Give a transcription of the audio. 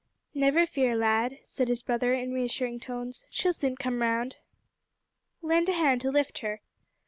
"Never fear, lad," said his brother in reassuring tones, "she'll soon come round. Lend a hand to lift her."